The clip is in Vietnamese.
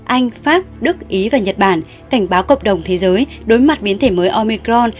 anh pháp đức ý và nhật bản cảnh báo cộng đồng thế giới đối mặt biến thể mới omicron